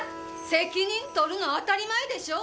責任取るの当たり前でしょ。